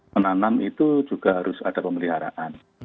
menanam itu juga harus ada pemeliharaan